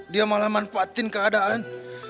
dia malah manfaatin keadaan